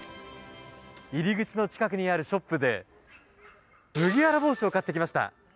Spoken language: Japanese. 入り口近くにあるショップで麦わら帽子を買ってきました。